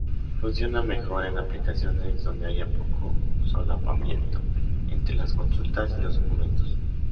Funciona mejor en aplicaciones donde haya poco solapamiento entre las consultas y los documentos.